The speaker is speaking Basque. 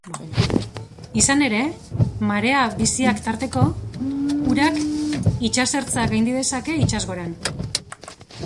Izan ere, marea biziak tarteko, urak itsasertza gaindi dezake itsasgoran.